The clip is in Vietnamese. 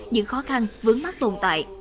những khó khăn vướng mắt tồn tại